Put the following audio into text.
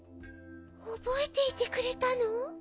おぼえていてくれたの？